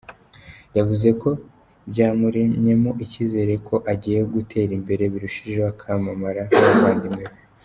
Yavuze ko byamuremyemo icyizere ko agiye gutera imbere birushijeho akamamara nk’abavandimwe be.